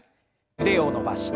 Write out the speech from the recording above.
腕を伸ばして。